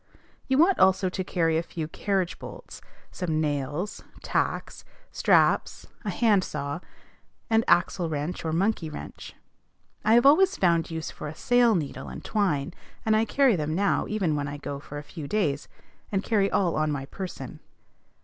You want also to carry a few carriage bolts, some nails, tacks, straps, a hand saw, and axle wrench or monkey wrench. I have always found use for a sail needle and twine; and I carry them now, even when I go for a few days, and carry all on my person.